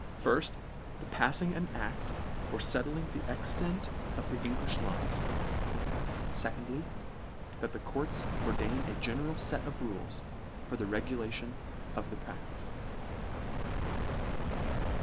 Firft the palling an act for fettling the extent of the English laws. Se condly, that the courts ordain a general fet of rules for the regulation of the practice."